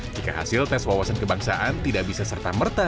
jika hasil tes wawasan kebangsaan tidak bisa serta merta